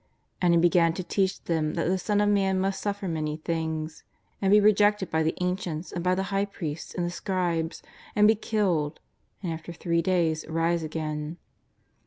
^^And He began to teach them that the Son of Man must suffer many things, and be rejected by the ancients and by the high priests and the scribes, and be killed, and after three days rise again."